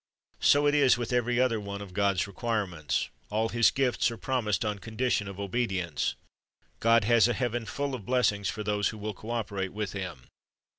"' So it is with every other one of God's requirements. All His gifts are promised on condition of obedience. God has a heaven full of blessings for those who will co operate with Him.